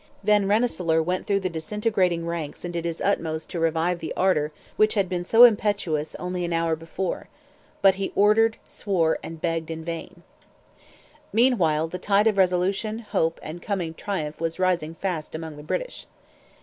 Van Rensselaer went through the disintegrating ranks and did his utmost to revive the ardour which had been so impetuous only an hour before. But he ordered, swore, and begged in vain. Meanwhile the tide of resolution, hope, and coming triumph was rising fast among the British.